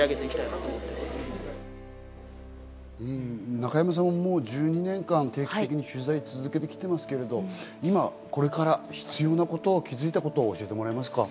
中山さん、１２年間、定期的に取材を続けてきていますけど、今、これから必要なこと、気づいたこと、教えてもらえますか？